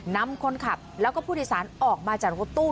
นำคนขับแล้วก็ผู้โดยสารออกมาจากรถตู้